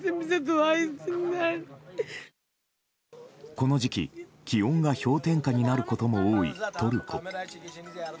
この時期、気温が氷点下になることも多いトルコ。